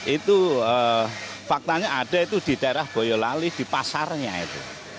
itu faktanya ada itu di daerah boyolali di pasarnya itu